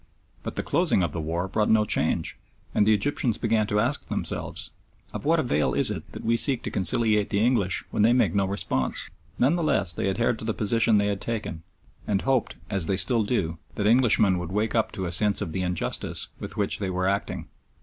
But the closing of the war brought no change, and the Egyptians began to ask themselves, Of what avail is it that we seek to conciliate the English when they make no response? None the less they adhered to the position they had taken, and hoped, as they still do, that Englishmen would wake up to a sense of the injustice with which they were acting.